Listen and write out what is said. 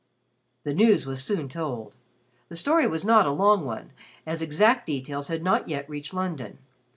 The news was soon told. The story was not a long one as exact details had not yet reached London.